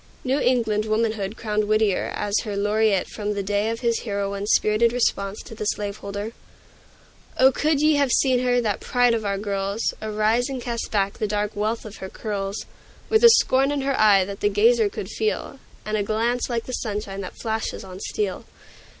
New England Womanhood crowned Whittier as her laureate from the day of his heroine's spirited response to the slaveholder: "O, could ye have seen her that pride of our girls Arise and cast back the dark wealth of her curls, With a scorn in her eye that the gazer could feel, And a glance like the sunshine that flashes on steel!